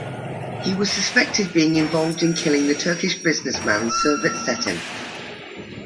He was suspected being involved in killing the Turkish businessman Servet Cetin.